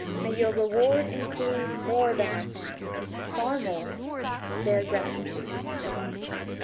—may your reward include More than our thanks, far more: their gratitude.